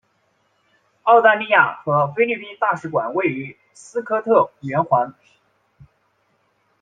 澳大利亚和菲律宾大使馆位于斯科特圆环。